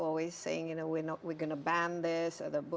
selalu mengatakan kita akan menghentikan ini atau